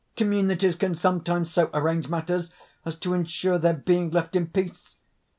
Communities can sometimes so arrange matters as to insure their being left in peace.